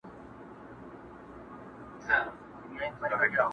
• زه د ګرېوان په څېرېدلو غاړه نه باسمه,